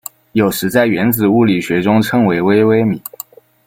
有时在原子物理学中称为微微米。